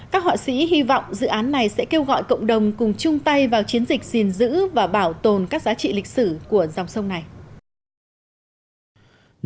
các họa sĩ hy vọng dự án này sẽ kêu gọi cộng đồng cùng chung tay vào chiến dịch giữ và bảo tồn các giá trị lịch sử của dòng sông này